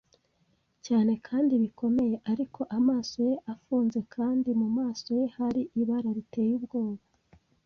cyane kandi bikomeye, ariko amaso ye yari afunze kandi mumaso ye hari ibara riteye ubwoba.